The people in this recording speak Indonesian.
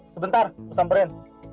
sebentar aku samperin